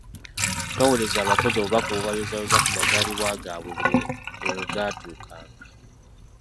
Twawereza abakozi obubaka obubayozaayoza ku mazaalibwa gaabwe bui lwe gatuukanga.